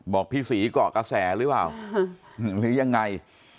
บอกพี่ศรีเกาะกระแสหรือเปล่าหรือยังไง